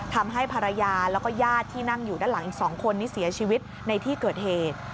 ทำให้ภรรยาแล้วก็ญาติที่นั่งอยู่ด้านหลังอีก๒คนนี้เสียชีวิตในที่เกิดเหตุ